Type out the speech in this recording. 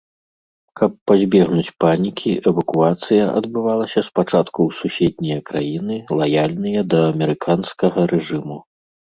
Каб пазбегнуць панікі эвакуацыя адбывалася спачатку ў суседнія краіны, лаяльныя да амерыканскага рэжыму.